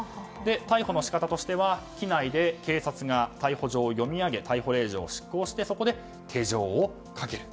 逮捕の仕方としては機内で警察が逮捕状を読み上げ逮捕令状を執行してそこで手錠をかける。